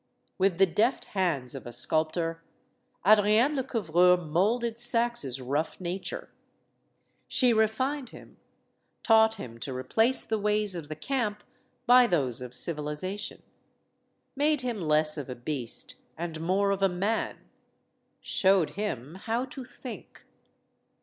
With the deft hands of a sculptor, Adrienne Le couvreur molded Saxe's rough nature. She refined him; taught him to replace the ways of the camp by those of civilization; made him less of a beast and more of a man; showed him how to think.